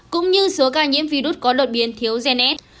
cũng như số ca nhiễm virus có đột biến thiếu gen s